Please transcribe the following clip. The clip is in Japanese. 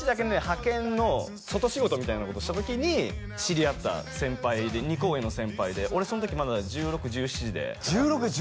派遣の外仕事みたいなことした時に知り合った先輩で２コ上の先輩で俺その時まだ１６１７で１６１７？